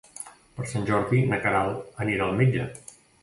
Per Sant Jordi na Queralt anirà al metge.